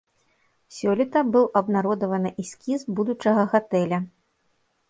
Сёлета быў абнародаваны эскіз будучага гатэля.